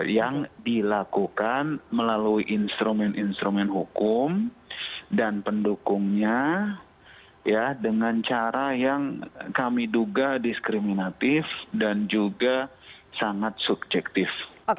yang dilakukan melalui instrumen instrumen hukum dan pendukungnya dengan cara yang kami duga diskriminatif dan juga sangat subjektif